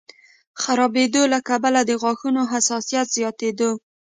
خرابېدو له کبله د غاښونو حساسیت زیاتېدو